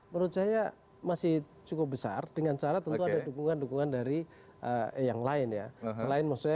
menurut saya masih cukup besar dengan cara tentu ada dukungan dukungan dari yang lain ya